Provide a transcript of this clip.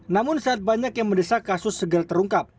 namun saat banyak yang mendesak kasus segala terungkap